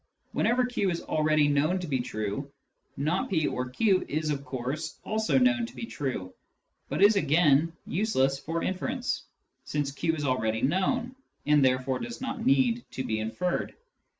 Whenever q is already known to be true, " not p or q " is of course also known to be true, but is again useless for inference, since q is already known, and therefore does not need to be inferred.